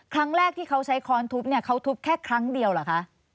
ครั้งแรกที่เขาใช้ค้อนทุบเนี่ยเขาทุบแค่ครั้งเดียวเหรอคะ